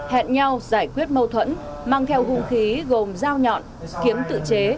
hẹn nhau giải quyết mâu thuẫn mang theo hung khí gồm dao nhọn kiếm tự chế